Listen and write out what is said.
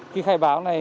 khi khai báo này